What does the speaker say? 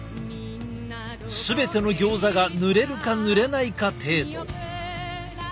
全てのギョーザがぬれるかぬれないか程度。